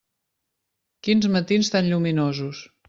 Quins matins tan lluminosos.